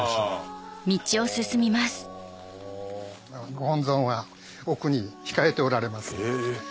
ご本尊は奥に控えておられますので。